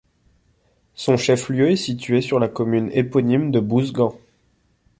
Son chef-lieu est situé sur la commune éponyme de Bouzguen.